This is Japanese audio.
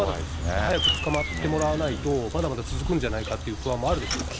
早く捕まってもらわないと、まだまだ続くんじゃないかっていう不安もあるでしょうからね。